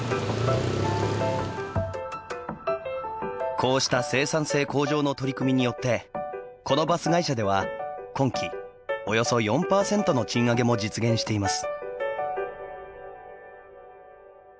こうした生産性向上の取り組みによってこのバス会社では今期およそ４％の賃上げも実現しています。